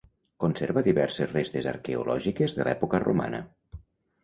Conserva diverses restes arqueològiques de l'època romana.